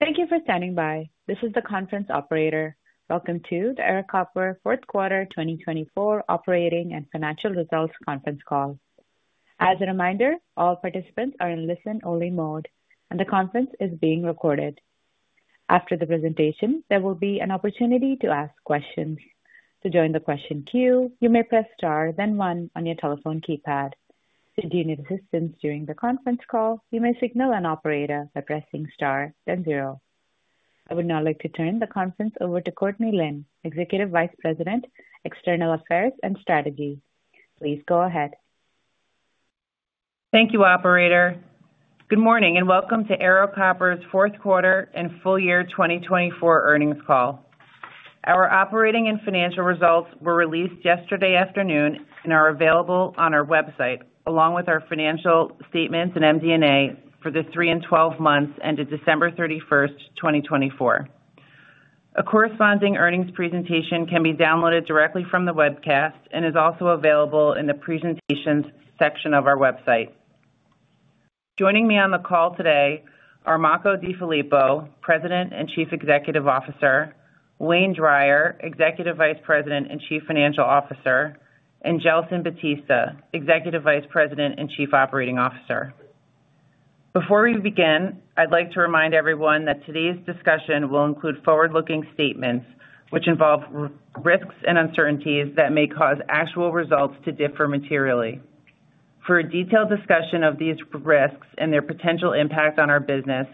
Thank you for standing by. This is the conference operator. Welcome to the Ero Copper fourth quarter 2024 operating and financial results conference call. As a reminder, all participants are in listen-only mode, and the conference is being recorded. After the presentation, there will be an opportunity to ask questions. To join the question queue, you may press star, then one, on your telephone keypad. If you need assistance during the conference call, you may signal an operator by pressing star, then zero. I would now like to turn the conference over to Courtney Lynn, Executive Vice President, External Affairs and Strategy. Please go ahead. Thank you, Operator. Good morning and welcome to Ero Copper's fourth quarter and full year 2024 earnings call. Our operating and financial results were released yesterday afternoon and are available on our website, along with our financial statements and MD&A for the three and twelve months ended December 31, 2024. A corresponding earnings presentation can be downloaded directly from the webcast and is also available in the presentations section of our website. Joining me on the call today are Makko DeFilippo, President and Chief Executive Officer; Wayne Drier, Executive Vice President and Chief Financial Officer; and Gelson Batista, Executive Vice President and Chief Operating Officer. Before we begin, I'd like to remind everyone that today's discussion will include forward-looking statements, which involve risks and uncertainties that may cause actual results to differ materially. For a detailed discussion of these risks and their potential impact on our business,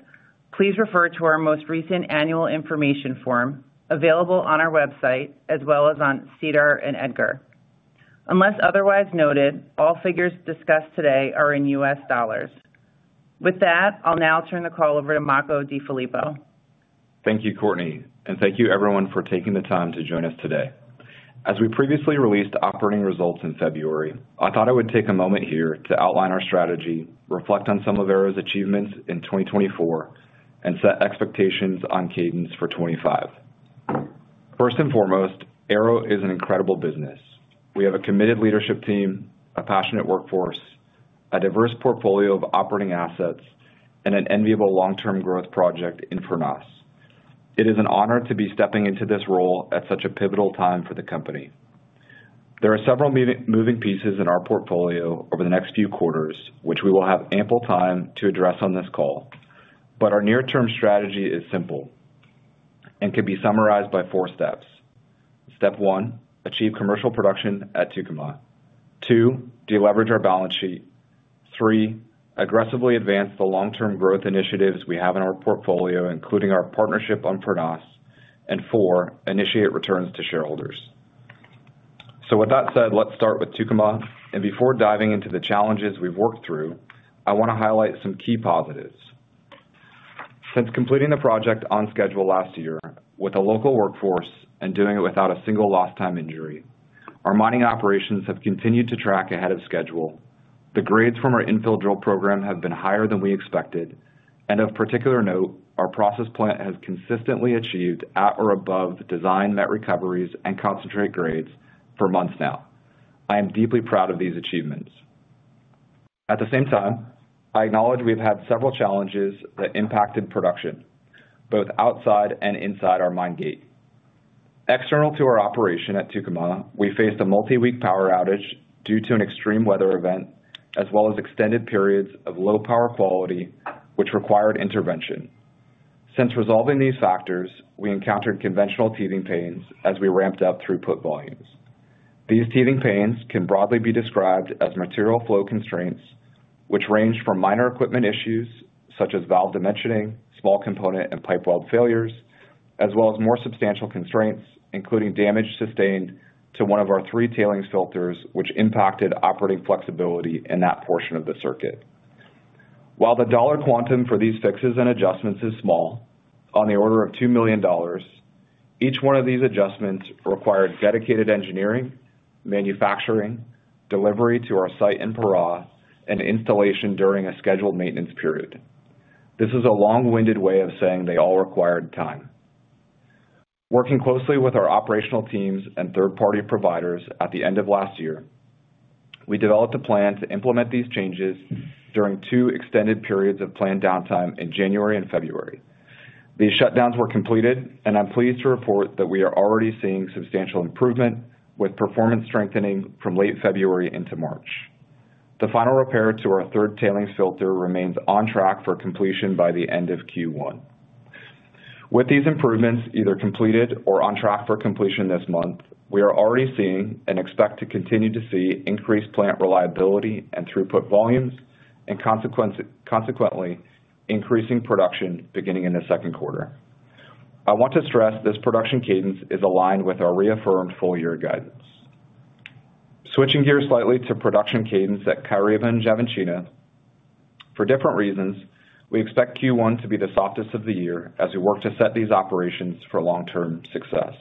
please refer to our most recent annual information form available on our website, as well as on SEDAR and EDGAR. Unless otherwise noted, all figures discussed today are in U.S. dollars. With that, I'll now turn the call over to Makko DeFilippo. Thank you, Courtney, and thank you, everyone, for taking the time to join us today. As we previously released operating results in February, I thought I would take a moment here to outline our strategy, reflect on some of Ero's achievements in 2024, and set expectations on cadence for 2025. First and foremost, Ero is an incredible business. We have a committed leadership team, a passionate workforce, a diverse portfolio of operating assets, and an enviable long-term growth project in front of us. It is an honor to be stepping into this role at such a pivotal time for the company. There are several moving pieces in our portfolio over the next few quarters, which we will have ample time to address on this call. Our near-term strategy is simple and can be summarized by four steps. Step one: achieve commercial production at Tucumã. Two: deleverage our balance sheet. Three: aggressively advance the long-term growth initiatives we have in our portfolio, including our partnership on Furnas. Four: initiate returns to shareholders. With that said, let's start with Tucumã. Before diving into the challenges we've worked through, I want to highlight some key positives. Since completing the project on schedule last year with a local workforce and doing it without a single lost-time injury, our mining operations have continued to track ahead of schedule. The grades from our infill drill program have been higher than we expected. Of particular note, our process plant has consistently achieved at or above design met recoveries and concentrate grades for months now. I am deeply proud of these achievements. At the same time, I acknowledge we've had several challenges that impacted production, both outside and inside our mine gate. External to our operation at Tucumã, we faced a multi-week power outage due to an extreme weather event, as well as extended periods of low power quality, which required intervention. Since resolving these factors, we encountered conventional teething pains as we ramped up throughput volumes. These teething pains can broadly be described as material flow constraints, which range from minor equipment issues such as valve dimensioning, small component, and pipe weld failures, as well as more substantial constraints, including damage sustained to one of our three tailings filters, which impacted operating flexibility in that portion of the circuit. While the dollar quantum for these fixes and adjustments is small, on the order of $2 million, each one of these adjustments required dedicated engineering, manufacturing, delivery to our site in Pará, and installation during a scheduled maintenance period. This is a long-winded way of saying they all required time. Working closely with our operational teams and third-party providers at the end of last year, we developed a plan to implement these changes during two extended periods of planned downtime in January and February. These shutdowns were completed, and I'm pleased to report that we are already seeing substantial improvement with performance strengthening from late February into March. The final repair to our third tailings filter remains on track for completion by the end of Q1. With these improvements either completed or on track for completion this month, we are already seeing and expect to continue to see increased plant reliability and throughput volumes, and consequently, increasing production beginning in the second quarter. I want to stress this production cadence is aligned with our reaffirmed full-year guidance. Switching gears slightly to production cadence at Caraíba and Xavantina, for different reasons, we expect Q1 to be the softest of the year as we work to set these operations for long-term success.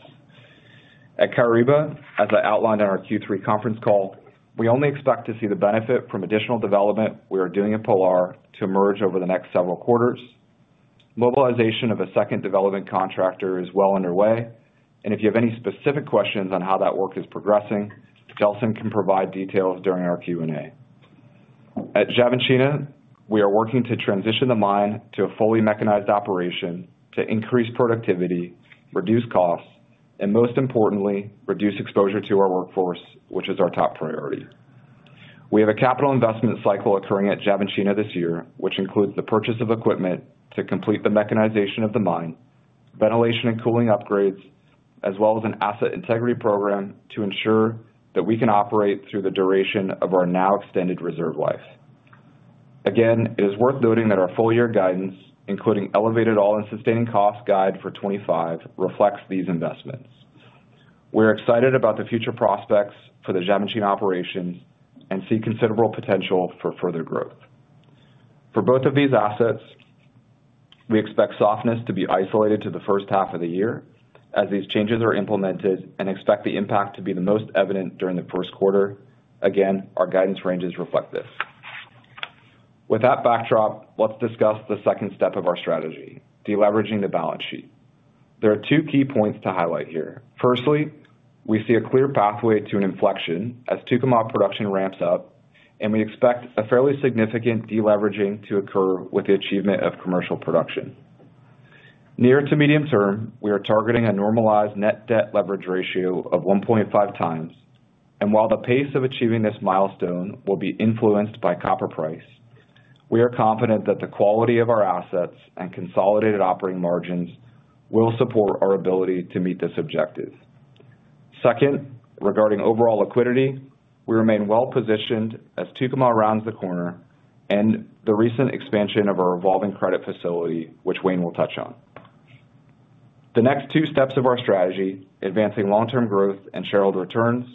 At Caraíba, as I outlined in our Q3 conference call, we only expect to see the benefit from additional development we are doing at Pilar to emerge over the next several quarters. Mobilization of a second development contractor is well underway. If you have any specific questions on how that work is progressing, Gelson can provide details during our Q&A. At Xavantina, we are working to transition the mine to a fully mechanized operation to increase productivity, reduce costs, and most importantly, reduce exposure to our workforce, which is our top priority. We have a capital investment cycle occurring at Xavantina this year, which includes the purchase of equipment to complete the mechanization of the mine, ventilation and cooling upgrades, as well as an asset integrity program to ensure that we can operate through the duration of our now extended reserve life. Again, it is worth noting that our full-year guidance, including elevated all-in sustaining cost guide for 2025, reflects these investments. We are excited about the future prospects for the Xavantina operations and see considerable potential for further growth. For both of these assets, we expect softness to be isolated to the first half of the year as these changes are implemented and expect the impact to be the most evident during the first quarter. Again, our guidance ranges reflect this. With that backdrop, let's discuss the second step of our strategy: deleveraging the balance sheet. There are two key points to highlight here. Firstly, we see a clear pathway to an inflection as Tucumã production ramps up, and we expect a fairly significant deleveraging to occur with the achievement of commercial production. Near to medium term, we are targeting a normalized net debt leverage ratio of 1.5 times. While the pace of achieving this milestone will be influenced by copper price, we are confident that the quality of our assets and consolidated operating margins will support our ability to meet this objective. Second, regarding overall liquidity, we remain well positioned as Tucumã rounds the corner and the recent expansion of our evolving credit facility, which Wayne will touch on. The next two steps of our strategy, advancing long-term growth and shareholder returns,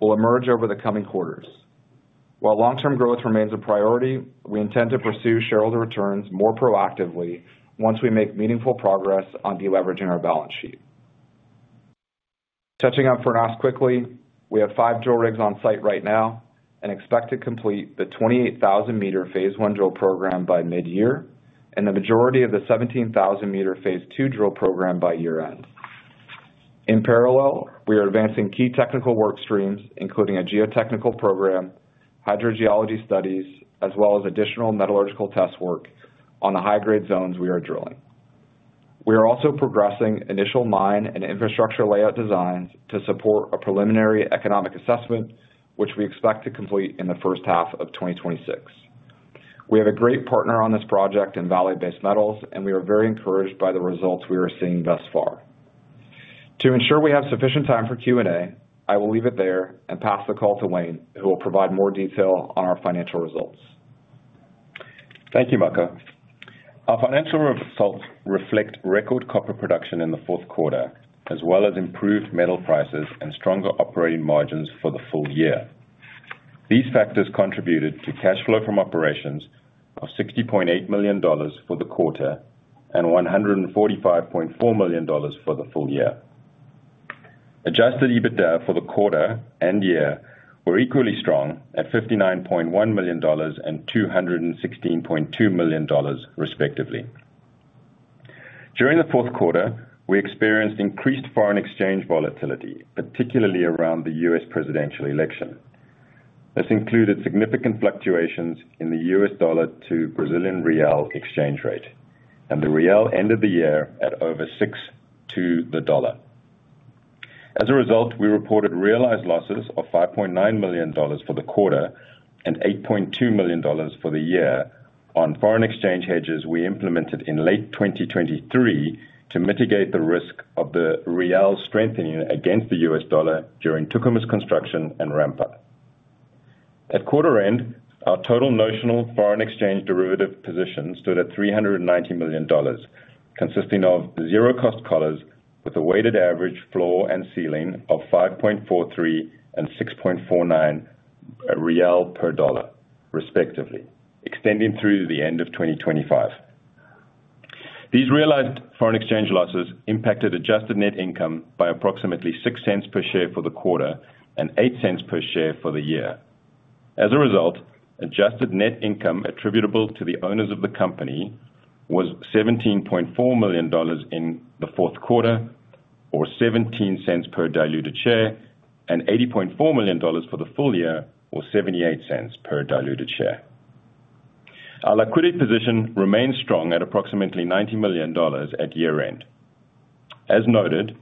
will emerge over the coming quarters. While long-term growth remains a priority, we intend to pursue shareholder returns more proactively once we make meaningful progress on deleveraging our balance sheet. Touching on Furnas quickly, we have five drill rigs on site right now and expect to complete the 28,000-meter phase one drill program by mid-year and the majority of the 17,000-meter phase two drill program by year-end. In parallel, we are advancing key technical work streams, including a geotechnical program, hydrogeology studies, as well as additional metallurgical test work on the high-grade zones we are drilling. We are also progressing initial mine and infrastructure layout designs to support a preliminary economic assessment, which we expect to complete in the first half of 2026. We have a great partner on this project in Vale Base Metals, and we are very encouraged by the results we are seeing thus far. To ensure we have sufficient time for Q&A, I will leave it there and pass the call to Wayne, who will provide more detail on our financial results. Thank you, Makko. Our financial results reflect record copper production in the fourth quarter, as well as improved metal prices and stronger operating margins for the full year. These factors contributed to cash flow from operations of $60.8 million for the quarter and $145.4 million for the full year. Adjusted EBITDA for the quarter and year were equally strong at $59.1 million and $216.2 million, respectively. During the fourth quarter, we experienced increased foreign exchange volatility, particularly around the U.S. presidential election. This included significant fluctuations in the U.S. dollar to Brazilian real exchange rate, and the real ended the year at over 6 to the dollar. As a result, we reported realized losses of $5.9 million for the quarter and $8.2 million for the year on foreign exchange hedges we implemented in late 2023 to mitigate the risk of the real strengthening against the U.S. dollar during Tucumã's construction and ramp-up. At quarter end, our total notional foreign exchange derivative positions stood at $390 million, consisting of zero-cost collars with a weighted average floor and ceiling of 5.43 and 6.49 real per dollar, respectively, extending through the end of 2025. These realized foreign exchange losses impacted adjusted net income by approximately $0.06 per share for the quarter and $0.08 per share for the year. As a result, adjusted net income attributable to the owners of the company was $17.4 million in the fourth quarter, or $0.17 per diluted share, and $80.4 million for the full year, or $0.78 per diluted share. Our liquidity position remained strong at approximately $90 million at year-end. As noted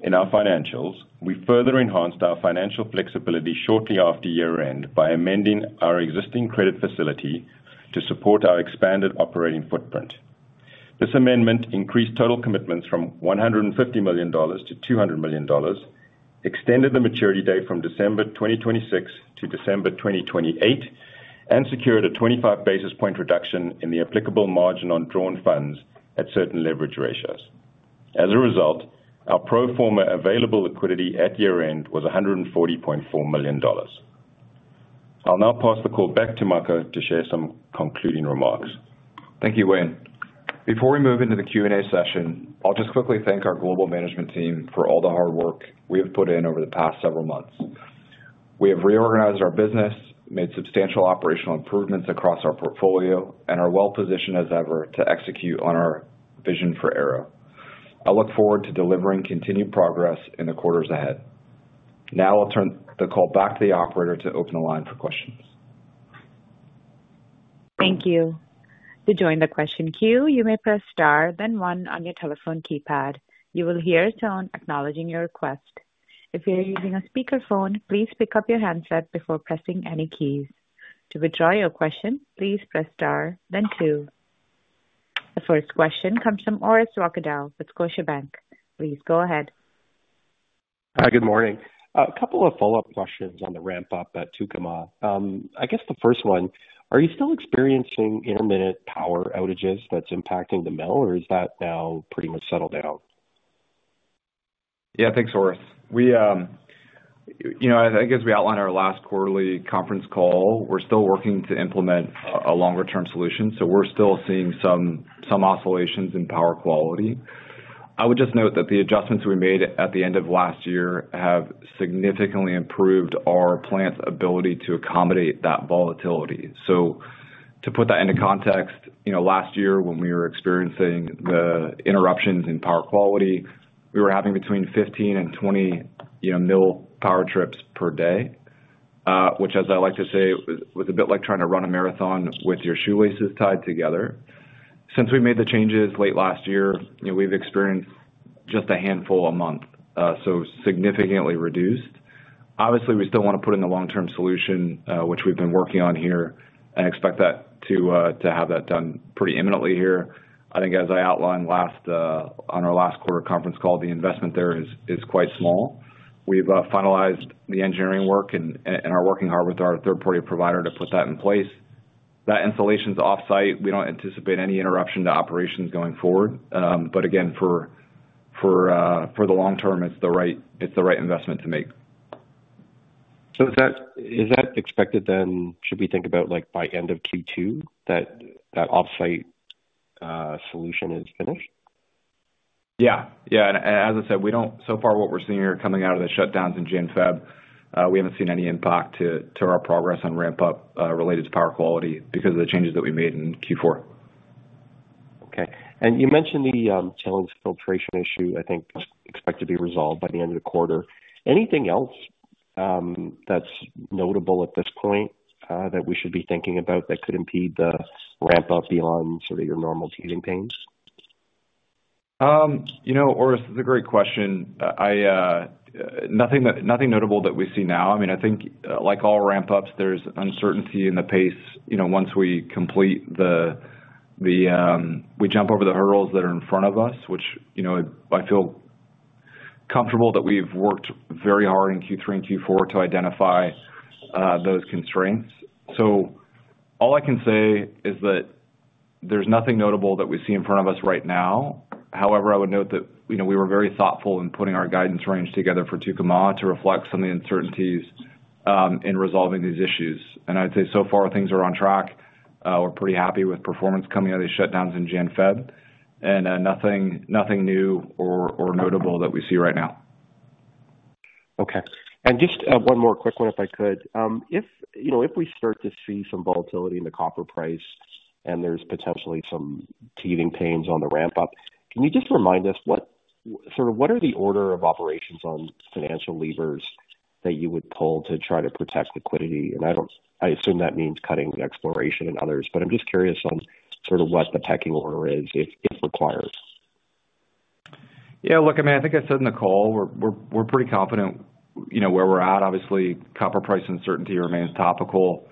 in our financials, we further enhanced our financial flexibility shortly after year-end by amending our existing credit facility to support our expanded operating footprint. This amendment increased total commitments from $150 million to $200 million, extended the maturity date from December 2026 to December 2028, and secured a 25 basis point reduction in the applicable margin on drawn funds at certain leverage ratios. As a result, our pro forma available liquidity at year-end was $140.4 million. I'll now pass the call back to Makko to share some concluding remarks. Thank you, Wayne. Before we move into the Q&A session, I'll just quickly thank our global management team for all the hard work we have put in over the past several months. We have reorganized our business, made substantial operational improvements across our portfolio, and are well positioned as ever to execute on our vision for Ero. I look forward to delivering continued progress in the quarters ahead. Now I'll turn the call back to the operator to open the line for questions. Thank you. To join the question queue, you may press star, then one on your telephone keypad. You will hear a tone acknowledging your request. If you're using a speakerphone, please pick up your handset before pressing any keys. To withdraw your question, please press star, then two. The first question comes from Orest Wowkodaw with Scotiabank. Please go ahead. Hi, good morning. A couple of follow-up questions on the ramp-up at Tucumã. I guess the first one, are you still experiencing intermittent power outages that's impacting the mill, or is that now pretty much settled down? Yeah, thanks, Orest. I guess we outlined on our last quarterly conference call, we're still working to implement a longer-term solution, so we're still seeing some oscillations in power quality. I would just note that the adjustments we made at the end of last year have significantly improved our plant's ability to accommodate that volatility. To put that into context, last year, when we were experiencing the interruptions in power quality, we were having between 15 and 20 mill power trips per day, which, as I like to say, was a bit like trying to run a marathon with your shoelaces tied together. Since we made the changes late last year, we've experienced just a handful a month, so significantly reduced. Obviously, we still want to put in the long-term solution, which we've been working on here, and expect to have that done pretty imminently here. I think, as I outlined on our last quarter conference call, the investment there is quite small. We've finalized the engineering work and are working hard with our third-party provider to put that in place. That installation's off-site. We don't anticipate any interruption to operations going forward. Again, for the long term, it's the right investment to make. Is that expected then should we think about by end of Q2 that that off-site solution is finished? Yeah. Yeah. As I said, so far, what we're seeing here coming out of the shutdowns in January-February, we haven't seen any impact to our progress on ramp-up related to power quality because of the changes that we made in Q4. Okay. You mentioned the tailings filtration issue. I think expect to be resolved by the end of the quarter. Anything else that's notable at this point that we should be thinking about that could impede the ramp-up beyond sort of your normal teething pains? Orest, this is a great question. Nothing notable that we see now. I mean, I think, like all ramp-ups, there's uncertainty in the pace once we complete the we jump over the hurdles that are in front of us, which I feel comfortable that we've worked very hard in Q3 and Q4 to identify those constraints. All I can say is that there's nothing notable that we see in front of us right now. However, I would note that we were very thoughtful in putting our guidance range together for Tucumã to reflect some of the uncertainties in resolving these issues. I'd say so far, things are on track. We're pretty happy with performance coming out of these shutdowns in January-February, and nothing new or notable that we see right now. Okay. And just one more quick one, if I could. If we start to see some volatility in the copper price and there's potentially some teething pains on the ramp-up, can you just remind us sort of what are the order of operations on financial levers that you would pull to try to protect liquidity? I assume that means cutting the exploration and others, but I'm just curious on sort of what the pecking order is, if required. Yeah. Look, I mean, I think I said in the call, we're pretty confident where we're at. Obviously, copper price uncertainty remains topical.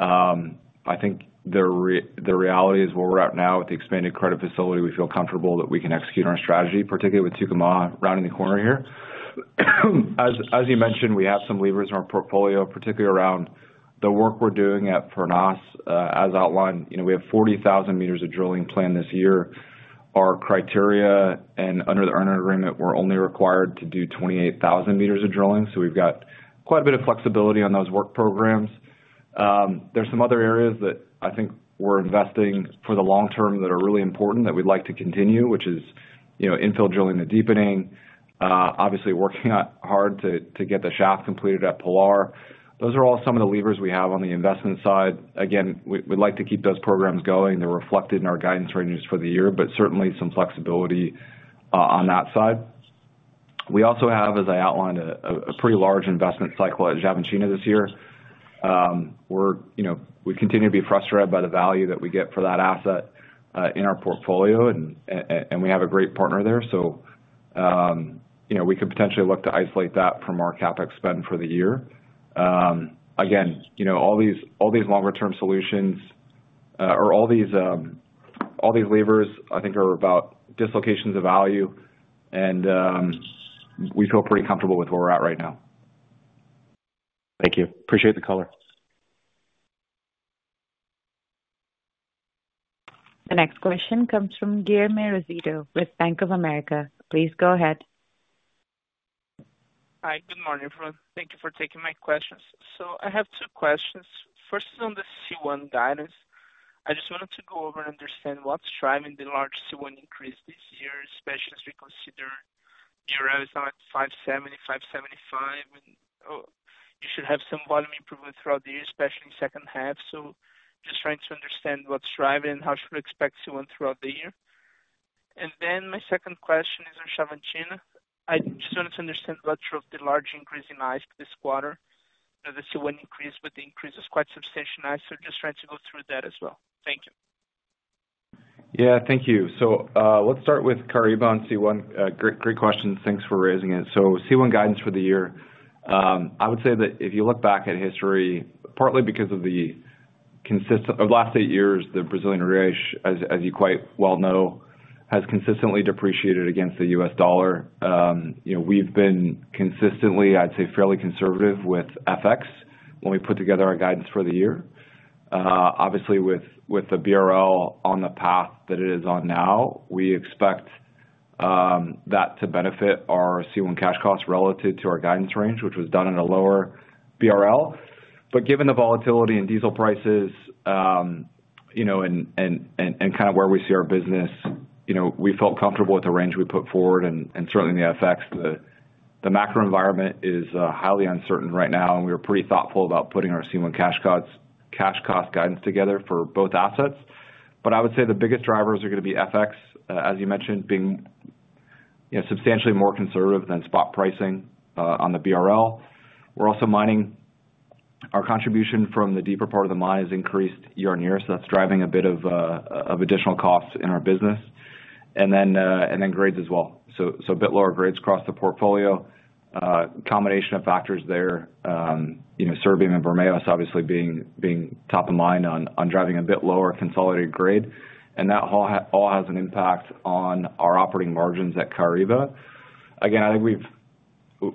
I think the reality is where we're at now with the expanded credit facility, we feel comfortable that we can execute on our strategy, particularly with Tucumã rounding the corner here. As you mentioned, we have some levers in our portfolio, particularly around the work we're doing at Furnas. As outlined, we have 40,000 meters of drilling planned this year. Our criteria and under the earn-in agreement, we're only required to do 28,000 meters of drilling. So we've got quite a bit of flexibility on those work programs. There's some other areas that I think we're investing for the long term that are really important that we'd like to continue, which is infill drilling, the deepening, obviously working hard to get the shaft completed at Pilar. Those are all some of the levers we have on the investment side. Again, we'd like to keep those programs going. They're reflected in our guidance ranges for the year, but certainly some flexibility on that side. We also have, as I outlined, a pretty large investment cycle at Xavantina this year. We continue to be frustrated by the value that we get for that asset in our portfolio, and we have a great partner there. We could potentially look to isolate that from our CapEx spend for the year. Again, all these longer-term solutions or all these levers, I think, are about dislocations of value, and we feel pretty comfortable with where we're at right now. Thank you. Appreciate the color. The next question comes from Guilherme Rosito with Bank of America. Please go ahead. Hi. Good morning, everyone. Thank you for taking my questions. I have two questions. First is on the C1 guidance. I just wanted to go over and understand what's driving the large C1 increase this year, especially as we consider year-end is now at $570-$575, and you should have some volume improvement throughout the year, especially in the second half. Just trying to understand what's driving and how should we expect C1 throughout the year. My second question is on Xavantina. I just wanted to understand what drove the large increase in AISC this quarter, the C1 increase, but the increase was quite substantial in AISC. Just trying to go through that as well. Thank you. Yeah, thank you. Let's start with Caraíba on C1. Great question. Thanks for raising it. C1 guidance for the year, I would say that if you look back at history, partly because of the consistent over the last eight years, the Brazilian real, as you quite well know, has consistently depreciated against the U.S. dollar. We've been consistently, I'd say, fairly conservative with FX when we put together our guidance for the year. Obviously, with the BRL on the path that it is on now, we expect that to benefit our C1 cash costs relative to our guidance range, which was done at a lower BRL. Given the volatility in diesel prices and kind of where we see our business, we felt comfortable with the range we put forward and certainly the FX. The macro environment is highly uncertain right now, and we were pretty thoughtful about putting our C1 cash cost guidance together for both assets. I would say the biggest drivers are going to be FX, as you mentioned, being substantially more conservative than spot pricing on the BRL. We're also mining. Our contribution from the deeper part of the mine has increased year-on-year, so that's driving a bit of additional costs in our business. Then grades as well. A bit lower grades across the portfolio, a combination of factors there, Surubim and Vermelhos, obviously being top of mind on driving a bit lower consolidated grade. That all has an impact on our operating margins at Caraíba. I think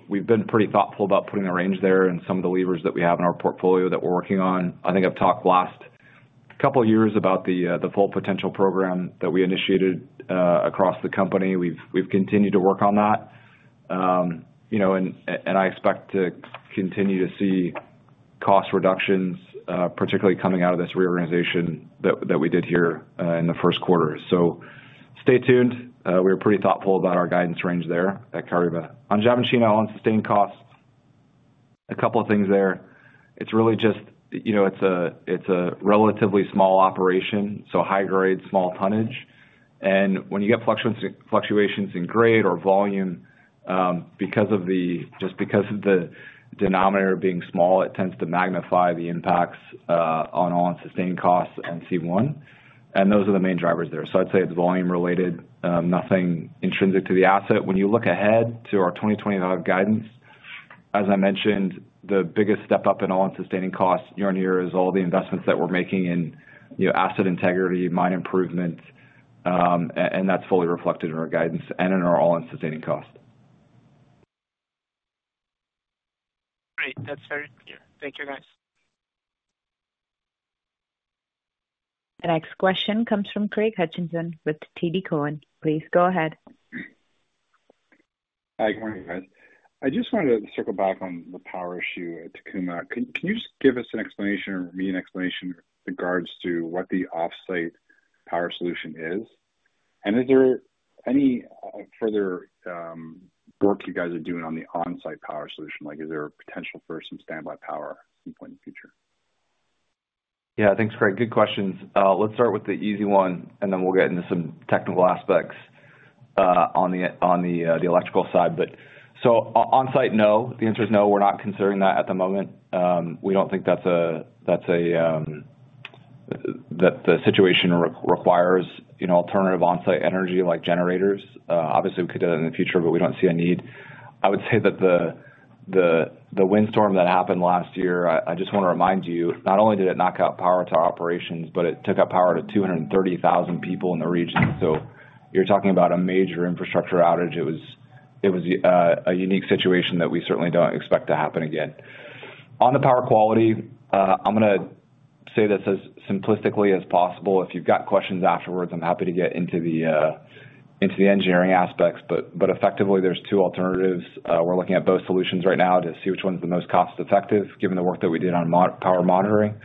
we've been pretty thoughtful about putting a range there and some of the levers that we have in our portfolio that we're working on. I think I've talked last couple of years about the Full Potential program that we initiated across the company. We've continued to work on that, and I expect to continue to see cost reductions, particularly coming out of this reorganization that we did here in the first quarter. Stay tuned. We were pretty thoughtful about our guidance range there at Caraíba. On Xavantina, on sustaining costs, a couple of things there. It's really just it's a relatively small operation, so high-grade, small tonnage. When you get fluctuations in grade or volume, just because of the denominator being small, it tends to magnify the impacts on all-in sustaining costs and C1. Those are the main drivers there. I'd say it's volume-related, nothing intrinsic to the asset. When you look ahead to our 2025 guidance, as I mentioned, the biggest step up in all-in sustaining costs year-on-year is all the investments that we're making in asset integrity, mine improvement, and that's fully reflected in our guidance and in our all-in sustaining costs. Great. That's very clear. Thank you, guys. The next question comes from Craig Hutchison with TD Cowen. Please go ahead. Hi. Good morning, guys. I just wanted to circle back on the power issue at Tucumã. Can you just give us an explanation or me an explanation with regards to what the off-site power solution is? Is there any further work you guys are doing on the on-site power solution? Is there a potential for some standby power at some point in the future? Yeah. Thanks, Craig. Good questions. Let's start with the easy one, and then we'll get into some technical aspects on the electrical side. On-site, no. The answer is no. We're not considering that at the moment. We don't think that the situation requires alternative on-site energy like generators. Obviously, we could do that in the future, but we don't see a need. I would say that the windstorm that happened last year, I just want to remind you, not only did it knock out power to our operations, but it took out power to 230,000 people in the region. You're talking about a major infrastructure outage. It was a unique situation that we certainly don't expect to happen again. On the power quality, I'm going to say this as simplistically as possible. If you've got questions afterwards, I'm happy to get into the engineering aspects. Effectively, there's two alternatives. We're looking at both solutions right now to see which one's the most cost-effective, given the work that we did on power monitoring.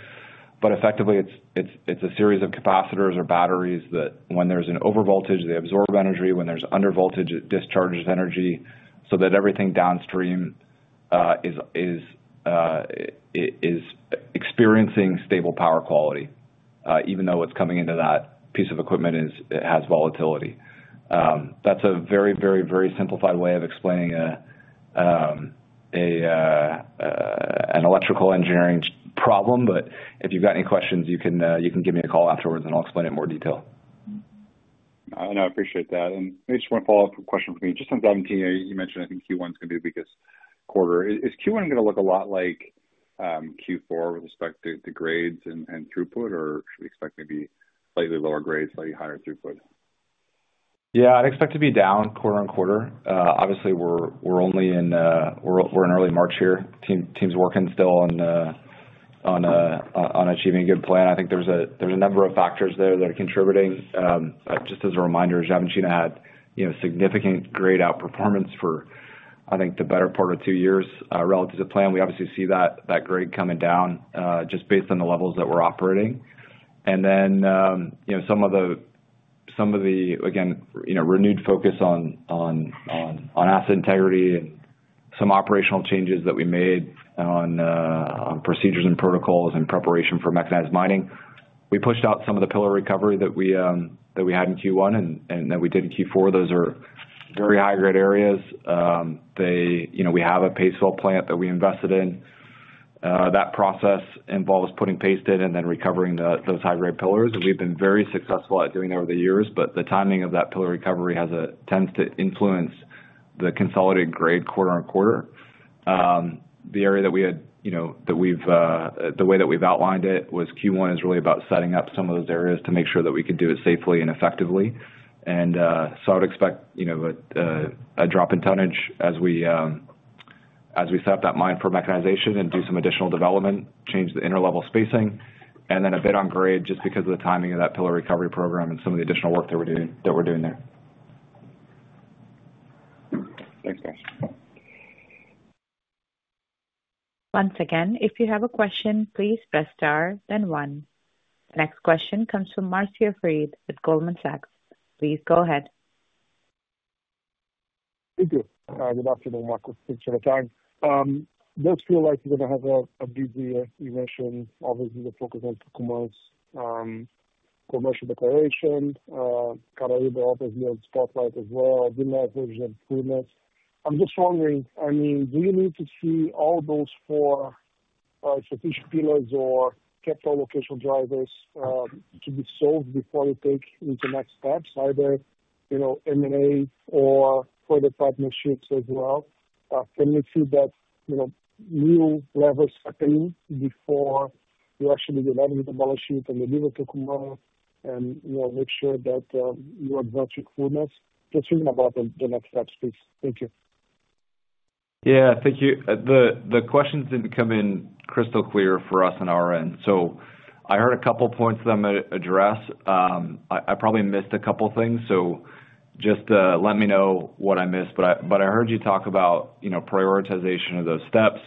Effectively, it's a series of capacitors or batteries that when there's an overvoltage, they absorb energy. When there's undervoltage, it discharges energy so that everything downstream is experiencing stable power quality, even though what's coming into that piece of equipment has volatility. That's a very, very, very simplified way of explaining an electrical engineering problem. If you've got any questions, you can give me a call afterwards, and I'll explain it in more detail. I appreciate that. Maybe just one follow-up question for me. Just on Xavantina, you mentioned, I think, Q1 is going to be the biggest quarter. Is Q1 going to look a lot like Q4 with respect to grades and throughput, or should we expect maybe slightly lower grades, slightly higher throughput? Yeah. I'd expect to be down quarter on quarter. Obviously, we're only in early March here. Team's working still on achieving a good plan. I think there's a number of factors there that are contributing. Just as a reminder, Xavantina had significant grade outperformance for, I think, the better part of two years relative to plan. We obviously see that grade coming down just based on the levels that we're operating. Then some of the, again, renewed focus on asset integrity and some operational changes that we made on procedures and protocols and preparation for mechanized mining. We pushed out some of the pillar recovery that we had in Q1 and that we did in Q4. Those are very high-grade areas. We have a pastefill plant that we invested in. That process involves putting paste in and then recovering those high-grade pillars. We have been very successful at doing that over the years, but the timing of that pillar recovery tends to influence the consolidated grade quarter on quarter. The area that we had, the way that we have outlined it, was Q1 is really about setting up some of those areas to make sure that we could do it safely and effectively. I would expect a drop in tonnage as we set up that mine for mechanization and do some additional development, change the interlevel spacing, and then a bit on grade just because of the timing of that pillar recovery program and some of the additional work that we are doing there. Thanks, guys. Once again, if you have a question, please press star, then one. The next question comes from Marcio Farid with Goldman Sachs. Please go ahead. Thank you. Good afternoon, Makko. Thanks for the time. Does feel like you're going to have a busy emission, obviously, with focus on Tucumã's commercial declaration. Caraíba offers you a spotlight as well. I'm just wondering, I mean, do you need to see all those four strategic pillars or capital allocation drivers to be solved before you take the next steps, either M&A or further partnerships as well? Can you see that new levers happening before you actually leverage the balance sheet and deliver Tucumã and make sure that you advance your Furnas? Just thinking about the next steps, please. Thank you. Yeah. Thank you. The questions did not come in crystal clear for us on our end. I heard a couple of points that I am going to address. I probably missed a couple of things, so just let me know what I missed. I heard you talk about prioritization of those steps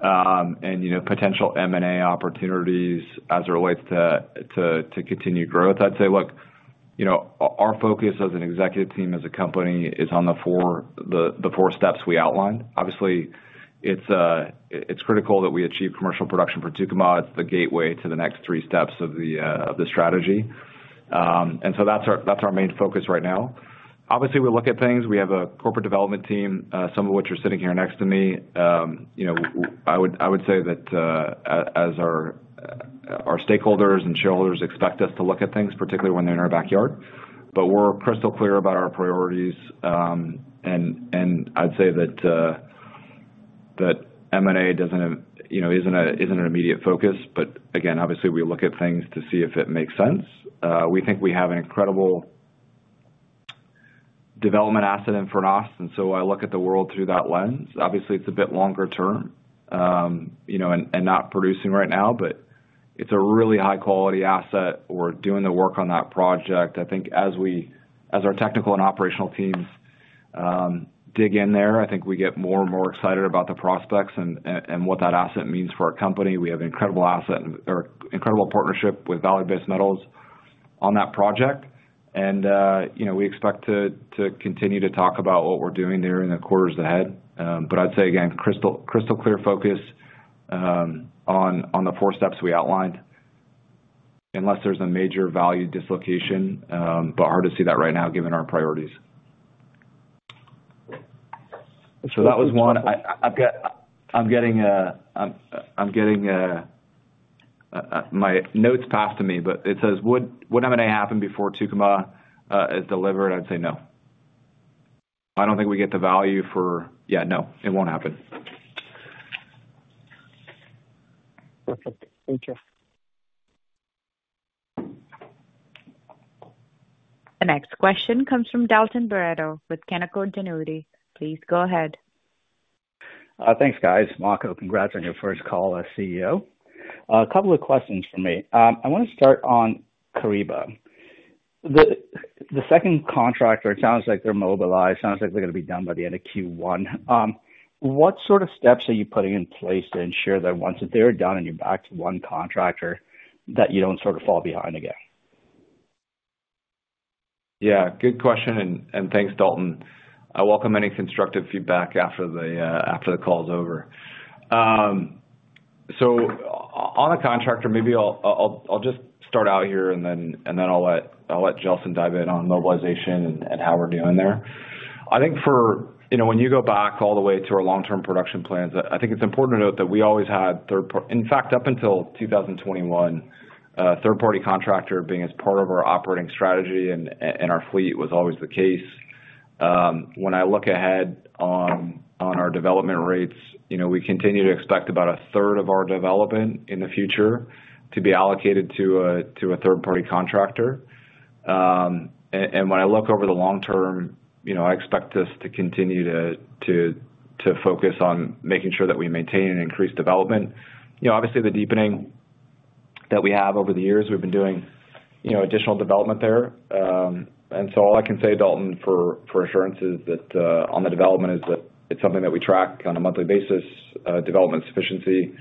and potential M&A opportunities as it relates to continued growth. I would say, look, our focus as an executive team, as a company, is on the four steps we outlined. Obviously, it is critical that we achieve commercial production for Tucumã. It is the gateway to the next three steps of the strategy. That is our main focus right now. Obviously, we look at things. We have a corporate development team, some of which are sitting here next to me. I would say that as our stakeholders and shareholders expect us to look at things, particularly when they're in our backyard. We are crystal clear about our priorities. I would say that M&A isn't an immediate focus. Obviously, we look at things to see if it makes sense. We think we have an incredible development asset in front of us. I look at the world through that lens. Obviously, it's a bit longer term and not producing right now, but it's a really high-quality asset. We are doing the work on that project. I think as our technical and operational teams dig in there, I think we get more and more excited about the prospects and what that asset means for our company. We have an incredible asset or incredible partnership with Vale Base Metals on that project. We expect to continue to talk about what we're doing there in the quarters ahead. I'd say, again, crystal clear focus on the four steps we outlined unless there's a major value dislocation, but hard to see that right now given our priorities. That was one. I'm getting my notes passed to me, but it says, "Would M&A happen before Tucumã is delivered?" I'd say no. I don't think we get the value for yeah, no, it won't happen. Perfect. Thank you. The next question comes from Dalton Baretto with Canaccord Genuity. Please go ahead. Thanks, guys. Makko, congrats on your first call as CEO. A couple of questions for me. I want to start on Caraíba. The second contractor, it sounds like they're mobilized. Sounds like they're going to be done by the end of Q1. What sort of steps are you putting in place to ensure that once they're done and you're back to one contractor, that you don't sort of fall behind again? Good question. And thanks, Dalton. I welcome any constructive feedback after the call's over. On a contractor, maybe I'll just start out here, and then I'll let Gelson dive in on mobilization and how we're doing there. I think when you go back all the way to our long-term production plans, I think it's important to note that we always had third party, in fact, up until 2021, third-party contractor being as part of our operating strategy and our fleet was always the case. When I look ahead on our development rates, we continue to expect about a third of our development in the future to be allocated to a third-party contractor. When I look over the long term, I expect us to continue to focus on making sure that we maintain and increase development. Obviously, the deepening that we have over the years, we've been doing additional development there. All I can say, Dalton, for assurance is that on the development, it's something that we track on a monthly basis, development sufficiency.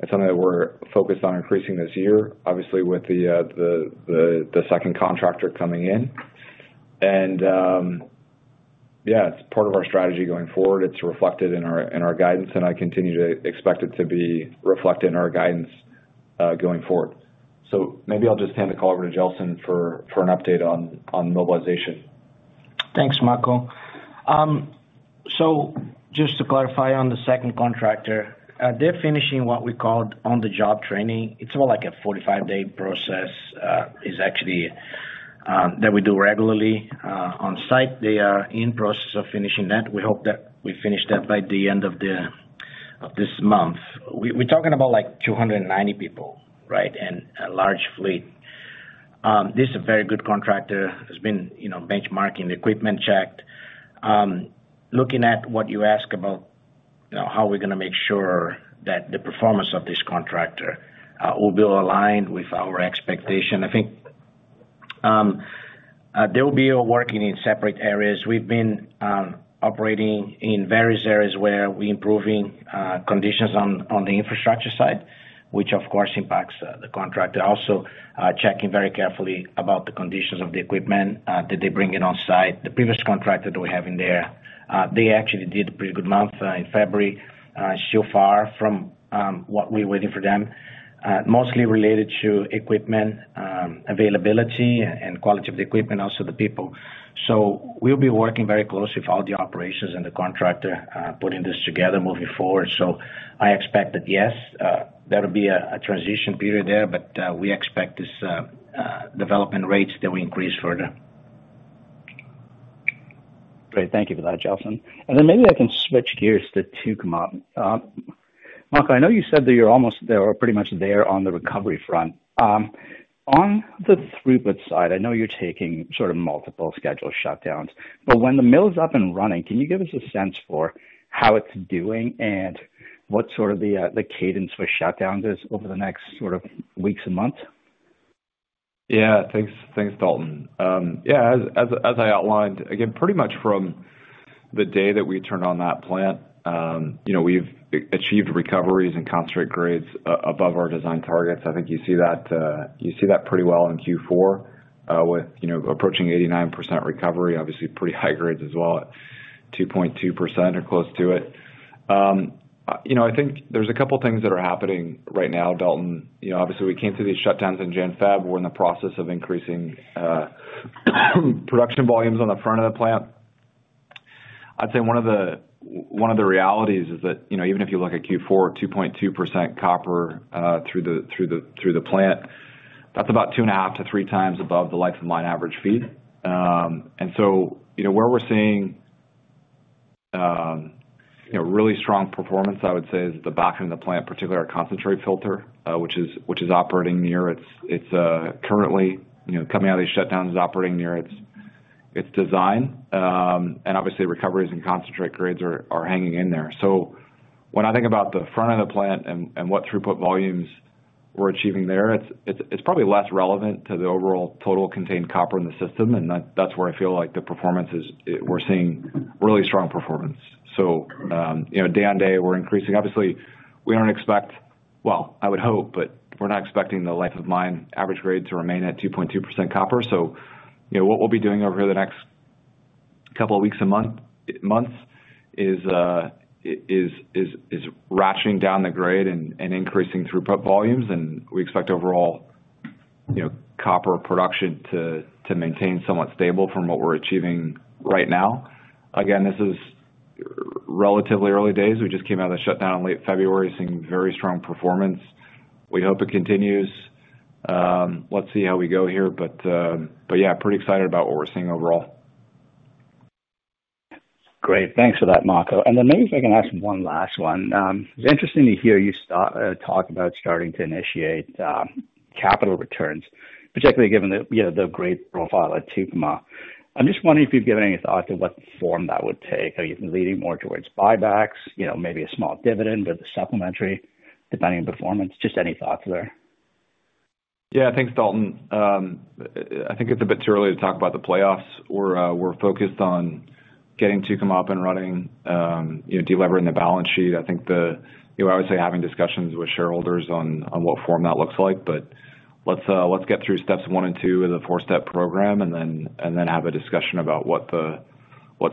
It's something that we're focused on increasing this year, obviously, with the second contractor coming in. Yeah, it's part of our strategy going forward. It's reflected in our guidance, and I continue to expect it to be reflected in our guidance going forward. Maybe I'll just hand the call over to Gelson for an update on mobilization. Thanks, Makko. Just to clarify on the second contractor, they're finishing what we called on-the-job training. It's about a 45-day process that we do regularly on site. They are in the process of finishing that. We hope that we finish that by the end of this month. We're talking about 290 people, right, and a large fleet. This is a very good contractor. It's been benchmarking, equipment checked. Looking at what you ask about how we're going to make sure that the performance of this contractor will be aligned with our expectation. I think they'll be working in separate areas. We've been operating in various areas where we're improving conditions on the infrastructure side, which, of course, impacts the contractor. Also checking very carefully about the conditions of the equipment that they bring in on site. The previous contractor that we have in there, they actually did a pretty good month in February so far from what we're waiting for them, mostly related to equipment availability and quality of the equipment, also the people. We will be working very closely with all the operations and the contractor putting this together moving forward. I expect that, yes, there will be a transition period there, but we expect these development rates that will increase further. Great. Thank you for that, Gelson. Maybe I can switch gears to Tucumã. Makko, I know you said that you're almost there or pretty much there on the recovery front. On the throughput side, I know you're taking sort of multiple scheduled shutdowns. When the mill is up and running, can you give us a sense for how it's doing and what sort of the cadence for shutdowns is over the next sort of weeks and months? Yeah. Thanks, Dalton. Yeah. As I outlined, again, pretty much from the day that we turned on that plant, we've achieved recoveries and concentrate grades above our design targets. I think you see that pretty well in Q4 with approaching 89% recovery, obviously pretty high grades as well, 2.2% or close to it. I think there's a couple of things that are happening right now, Dalton. Obviously, we came through these shutdowns in January/February. We're in the process of increasing production volumes on the front of the plant. I'd say one of the realities is that even if you look at Q4, 2.2% copper through the plant, that's about two and a half to three times above the life-of-mine average feed. And so where we're seeing really strong performance, I would say, is the back end of the plant, particularly our concentrate filter, which is operating near. It's currently coming out of these shutdowns, is operating near its design. Obviously, recoveries and concentrate grades are hanging in there. When I think about the front of the plant and what throughput volumes we're achieving there, it's probably less relevant to the overall total contained copper in the system. That's where I feel like the performance is, we're seeing really strong performance. Day on day, we're increasing. Obviously, we don't expect, I would hope, but we're not expecting the lifetime line average grade to remain at 2.2% copper. What we'll be doing over here the next couple of weeks and months is ratcheting down the grade and increasing throughput volumes. We expect overall copper production to maintain somewhat stable from what we're achieving right now. Again, this is relatively early days. We just came out of the shutdown in late February, seeing very strong performance. We hope it continues. Let's see how we go here. Yeah, pretty excited about what we're seeing overall. Great. Thanks for that, Makko. Maybe if I can ask one last one. It's interesting to hear you talk about starting to initiate capital returns, particularly given the grade profile at Tucumã. I'm just wondering if you've given any thought to what form that would take. Are you leaning more towards buybacks, maybe a small dividend, or the supplementary, depending on performance? Just any thoughts there? Yeah. Thanks, Dalton. I think it's a bit too early to talk about the playoffs. We're focused on getting Tucumã up and running, delivering the balance sheet. I think I would say having discussions with shareholders on what form that looks like. Let's get through steps one and two of the four-step program and then have a discussion about what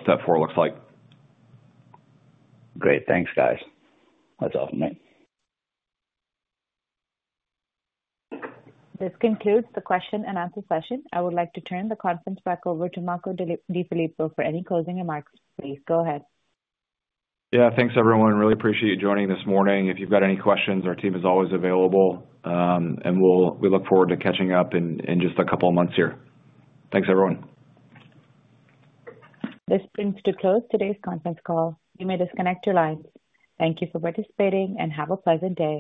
step four looks like. Great. Thanks, guys. That's awesome. Thanks. This concludes the question and answer session. I would like to turn the conference back over to Makko DeFilippo for any closing remarks. Please go ahead. Yeah. Thanks, everyone. Really appreciate you joining this morning. If you've got any questions, our team is always available. We look forward to catching up in just a couple of months here. Thanks, everyone. This brings to a close today's conference call. You may disconnect your lines. Thank you for participating and have a pleasant day.